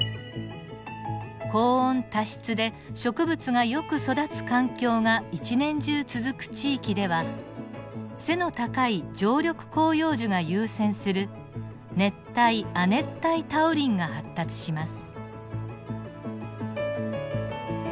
高温多湿で植物がよく育つ環境が一年中続く地域では背の高い常緑広葉樹が優占する熱帯・亜熱帯多雨林が発達します。